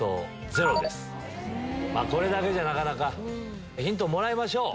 まぁこれだけじゃなかなかヒントをもらいましょう。